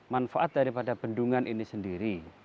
manfaat daripada bendungan ini sendiri